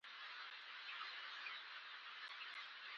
د نړۍ ځینې خلک د خپلو ژوندیو روایتونو په ساتلو ټینګار کوي.